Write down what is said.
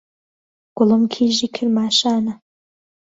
گوڵم کیژی کرماشانا